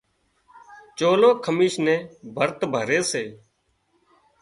چولو، کميس نين ڀرت ڀري سي